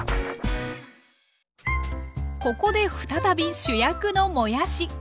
ここで再び主役のもやし。